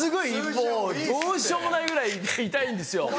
もうどうしようもないぐらい痛いんですよ。